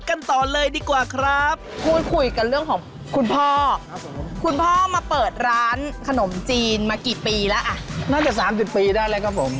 จีนมากี่ปีน่าจะ๓๐ปีได้เลยครับผม